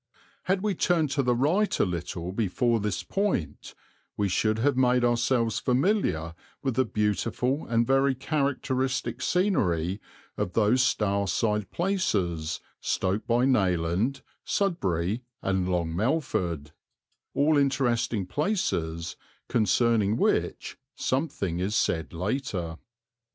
Had we turned to the right a little before this point we should have made ourselves familiar with the beautiful and very characteristic scenery of those Stourside places Stoke by Nayland, Sudbury, and Long Melford all interesting places concerning which something is said later.